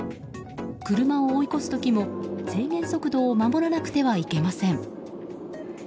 車を追い越す時も、制限速度を守らなくてはいけません。